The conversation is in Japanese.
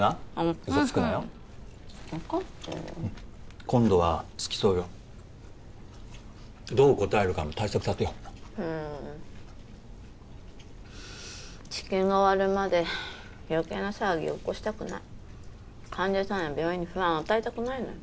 分かってる今度は付き添うよどう答えるかも対策立てよううん治験が終わるまで余計な騒ぎを起こしたくない患者さんや病院に不安与えたくないのよ